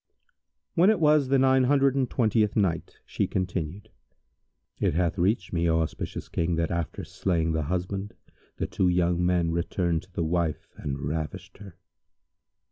When it was the Nine Hundred and Twentieth Night, She continued: It hath reached me, O auspicious King, that after slaying the husband the two young men returned to the wife and ravished her.